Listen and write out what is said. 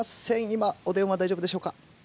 今お電話大丈夫でしょうか？